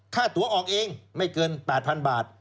ค่าตัวออกเองไม่เกิน๘๐๐๐บาท